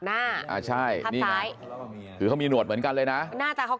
หน้าตัช่ายนี่เอามีดหนวดเหมือนกันเลยนะหน้าตาเขา